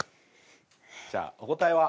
じゃあお答えは？